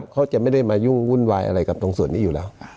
เขาจะไม่ได้มายุ่งวุ่นวายอะไรกับตรงส่วนนี้อยู่แล้ว